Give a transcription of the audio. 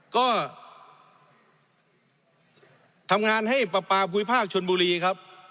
ก็ทำงานให้ประปาภูมิภาคชนบุรีครับ